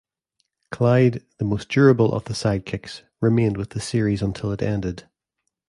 Clyde, the most durable of the sidekicks, remained with the series until it ended.